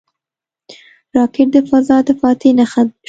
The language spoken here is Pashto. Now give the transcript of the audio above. راکټ د فضا د فاتح نښه شوه